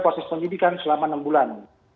proses penyidikan selama enam bulan